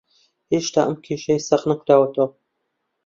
هێشتا ئەم کێشەیە ساغ نەکراوەتەوە